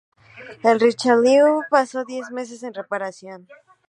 El Richelieu pasó diez meses en reparación.